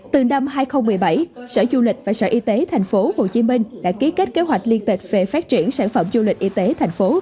từ năm hai nghìn một mươi bảy sở du lịch và sở y tế tp hcm đã ký kết kế hoạch liên tịch về phát triển sản phẩm du lịch y tế thành phố